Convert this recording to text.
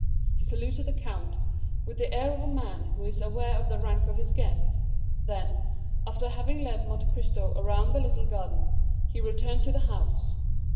He saluted the count with the air of a man who is aware of the rank of his guest; then, after having led Monte Cristo around the little garden, he returned to the house.